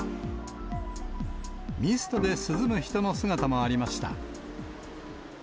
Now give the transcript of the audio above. ミストで涼む人の姿もありました。